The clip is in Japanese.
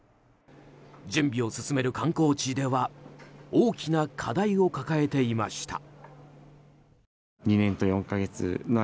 準備を進める観光地では大きな課題を抱えていました。